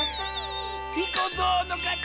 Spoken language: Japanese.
ひこぞうのかち！